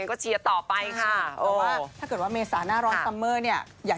ไม่เคยห้ามนะคะไม่ไม่เคยห้ามไม่เคยห้าม